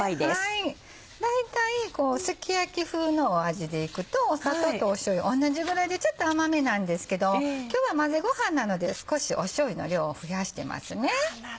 大体すき焼き風の味でいくと砂糖としょうゆ同じぐらいでちょっと甘めなんですけど今日は混ぜごはんなので少ししょうゆの量を増やしてますね。